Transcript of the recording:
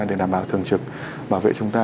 để đảm bảo thường trực bảo vệ chúng ta